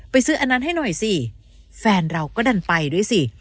ซื้ออันนั้นให้หน่อยสิแฟนเราก็ดันไปด้วยสิ